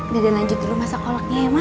dede lanjut dulu masak kolaknya ya ma